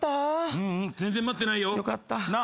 ううん全然待ってないよ。なあ？